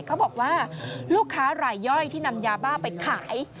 เขาบอกว่าลูกค้ารายย่อยที่นำยาบ้าไปขาย